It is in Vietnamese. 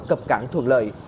cập cảng thuận lợi